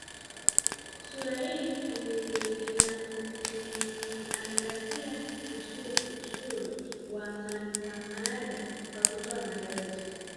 Sura hii imeangazia usuli wa mada kwa kutoa maelezo